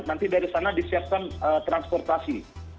nanti dari sana disiapkan transportasi